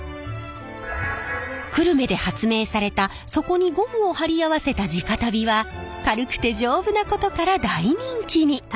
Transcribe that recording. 久留米で発明された底にゴムを貼り合わせた地下足袋は軽くて丈夫なことから大人気に。